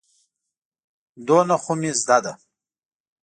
دومره خو مې زده ده.